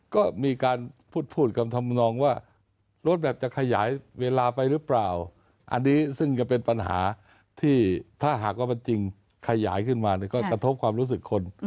ก็มีการพูดพูดคำทำนองว่ารถแบบจะขยายเวลาไปหรือเปล่าอันนี้ซึ่งจะเป็นปัญหาที่ถ้าหากว่ามันจริงขยายขึ้นมาก็กระทบความรู้สึกคน